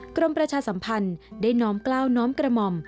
กรมประชาสัมพันธ์ได้น้อมกล้าวน้อมกระหม่อม